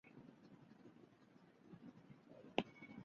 但当时并没发现死亡的鸟类。